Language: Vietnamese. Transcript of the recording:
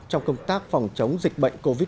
trong công tác phòng chống dịch bệnh covid một mươi chín